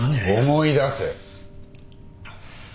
思い出せ。